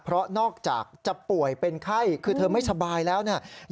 เพราะนอกจากจะป่วยเป็นไข้คือเธอไม่สบายแล้วเนี่ย